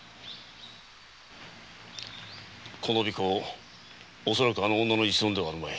この尾行恐らくあの女の一存ではあるまい。